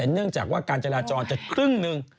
เนื่องจากว่าการจราจรจะครึ่งหนึ่ง